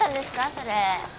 それ